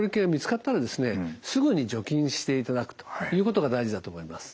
すぐに除菌していただくということが大事だと思います。